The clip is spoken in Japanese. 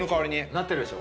なってるでしょ。